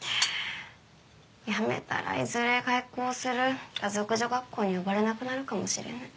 辞めたらいずれ開校する華族女学校に呼ばれなくなるかもしれない。